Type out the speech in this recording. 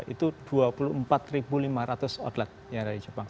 itu dua puluh empat lima ratus outlet yang ada di jepang